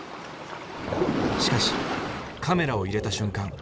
しかしカメラを入れた瞬間